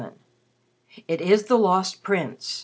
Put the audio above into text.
XXVII "IT IS THE LOST PRINCE!